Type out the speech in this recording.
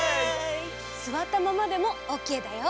すわったままでもオッケーだよ。